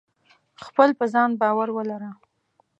خپل په ځان باور ولره.